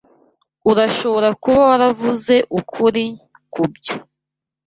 Urashobora kuba waravuze ukuri kubyo.